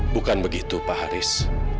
bukan begitu pak haris